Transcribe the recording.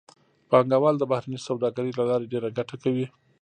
پانګوال د بهرنۍ سوداګرۍ له لارې ډېره ګټه کوي